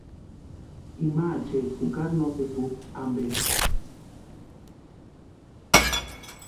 Ima acheeti jukari no sési ústi ampe.